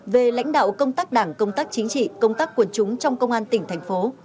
về lãnh đạo công tác đảng công tác chính trị công tác quần chúng trong công an tỉnh thành phố